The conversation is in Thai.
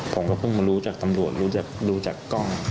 ผมก็เพิ่งมารู้จากตำรวจรู้จักดูจากกล้อง